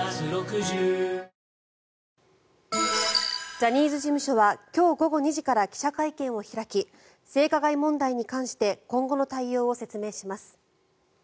ジャニーズ事務所は今日午後２時から記者会見を開き性加害問題に関して今後の対応を説明します。